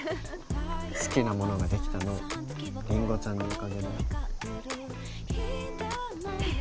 好きなものができたのりんごちゃんのおかげだよ